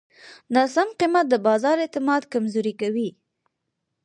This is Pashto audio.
ناسم قیمت د بازار اعتماد کمزوری کوي.